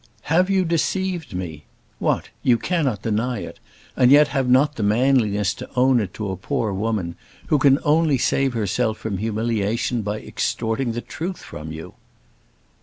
"Have you deceived me? What; you cannot deny it, and yet have not the manliness to own it to a poor woman who can only save herself from humiliation by extorting the truth from you!"